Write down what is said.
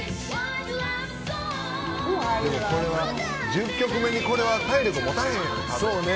１０曲目にこれは体力もたへんよ。